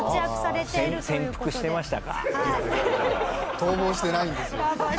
逃亡してないんですよ。